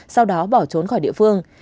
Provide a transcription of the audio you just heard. sau đó bỏ trốn khỏi địa phương